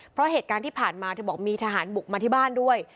เพราะเหตุการณ์ที่ผ่านมาเธอบอกมีทหารบุกมาที่บ้านด้วย